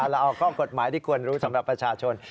เราเอาข้อกฎหมายที่ควรรู้สำหรับประชาชน